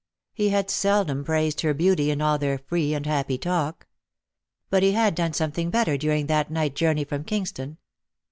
He had seldom praised her beauty in all their free and happy talk. But he had done something better during that night journey from Kingston.